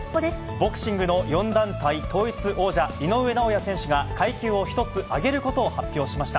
ボクシングの４団体統一王者、井上尚弥選手が、階級を１つ上げることを発表しました。